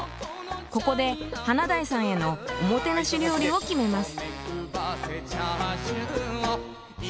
ここで華大さんへのおもてなし料理を決めます。